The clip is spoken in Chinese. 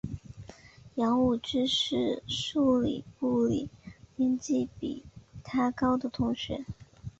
杨武之是数理部里年级比他高的同学。